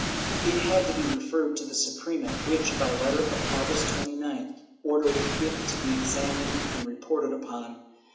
It had to be referred to the Su prema, which, by letter of August 29th, ordered it to be examined and reported upon.